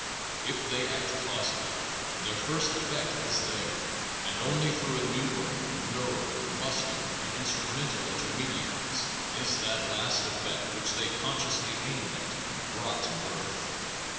If they act causally, their first effect is there, and only through innumerable neural, muscular, and instrumental intermediaries is that last effect which they consciously aimed at brought to birth.